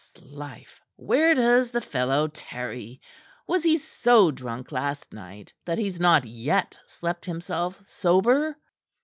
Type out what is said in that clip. "'Slife! Where does the fellow tarry? Was he so drunk last night that he's not yet slept himself sober?"